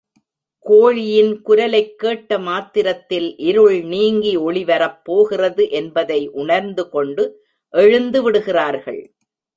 கோழியின் குரலைக் கேட்ட மாத்திரத்தில் இருள் நீங்கி ஒளி வரப்போகிறது என்பதை உணர்ந்து கொண்டு எழுந்துவிடுகிறார்கள்.